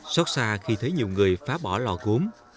xót xa khi thấy nhiều người phá bỏ lò cúm